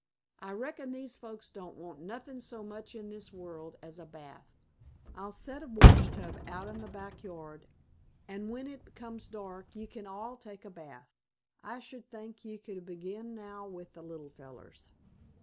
I reckon these folks don't want nothin' so much in this world as a bath. I'll set a wash tub out in th' back yard, an' when it comes dark ye can all take a bath. I sh'd think ye could begin now with th' little fellers."